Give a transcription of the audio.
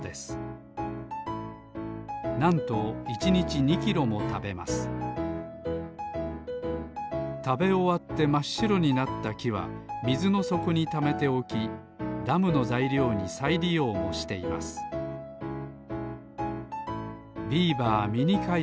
なんと１にち２キロもたべますたべおわってまっしろになったきはみずのそこにためておきダムのざいりょうにさいりようもしています「ビーバーミニ解説」でした